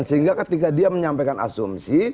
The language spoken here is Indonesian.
sehingga ketika dia menyampaikan asumsi